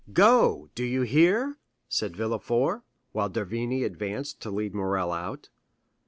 "Go!—do you hear?" said Villefort, while d'Avrigny advanced to lead Morrel out.